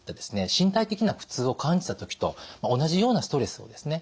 身体的な苦痛を感じた時と同じようなストレスをですね